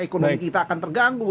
ekonomi kita akan terganggu